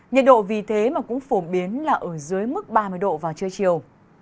nhiệt độ vì thế mà cũng phổ biến là ở dưới mức ba mươi độ vào trưa chiều